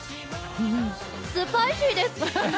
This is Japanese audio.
スパイシーです！